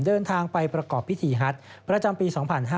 เดินทางไปประกอบพิธีฮัทประจำปี๒๕๕๙